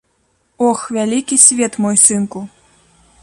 Ох, вялікі свет, мой сынку!